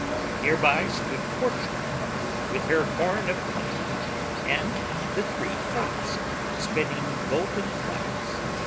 Near by stood Fortune with her horn of plenty, and the three Fates, spinning golden flax.